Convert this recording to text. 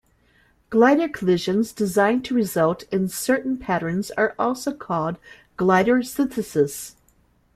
Glider collisions designed to result in certain patterns are also called glider syntheses.